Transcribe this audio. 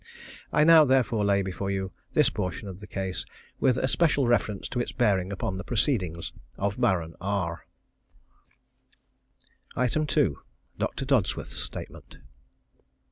I now therefore lay before you this portion of the case with especial reference to its bearing upon the proceedings of Baron R. 2. _Doctor Dodsworth's Statement.